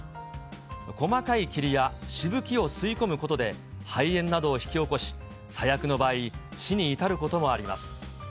細かい霧やしぶきを吸い込むことで肺炎などを引き起こし、最悪の場合、死に至ることもあります。